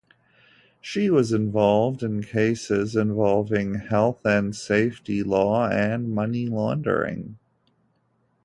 She was involved in cases involving health and safety law and money laundering.